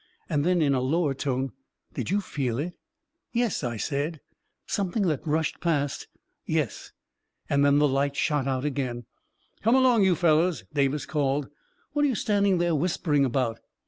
And then, in a lower tone, " Did you feel it? " 44 Yes," I said. 44 Something that rushed past ..." 44 Yes." And then the light shot out again. 44 Come along, you fellows I " Davis called. "What are you standing there whispering about?"